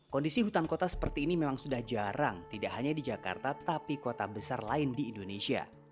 kondisi hutan kota seperti ini memang sudah jarang tidak hanya di jakarta tapi kota besar lain di indonesia